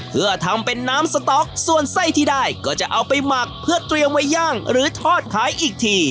เพื่อทำเป็นน้ำสต๊อกส่วนไส้ที่ได้ก็จะเอาไปหมักเพื่อเตรียมไว้ย่างหรือทอดขายอีกที